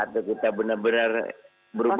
ya kita benar benar berubah lah